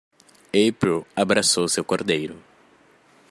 April abraçou seu cordeiro.